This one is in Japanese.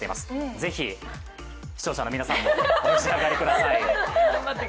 ぜひ視聴者の皆さんもお召し上がりください。